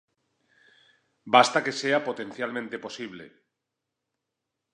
Basta que sea potencialmente posible.